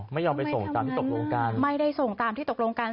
ไม่ยอมไปส่งตามที่ตกลงกันไม่ได้ส่งตามที่ตกลงกัน